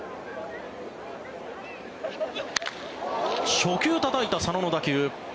初球たたいた、佐野の打球。